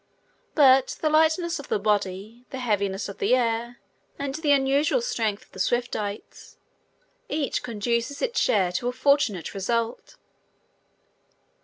But the lightness of the body, the heaviness of the air, and the unusual strength of the Swiftites, each conduces its share to the fortunate result.